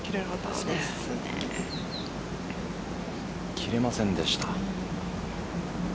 切れませんでした。